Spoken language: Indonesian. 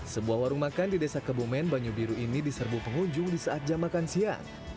sebuah warung makan di desa kebumen banyu biru ini diserbu pengunjung di saat jam makan siang